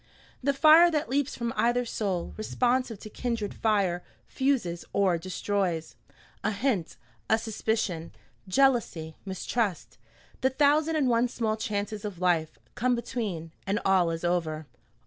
The fire that leaps from either soul, responsive to kindred fire, fuses or destroys. A hint, a suspicion, jealousy, mistrust, the thousand and one small chances of life, come between, and all is over.